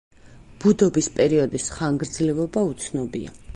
ბუდობის პერიოდის ხანგრძლივობა უცნობია.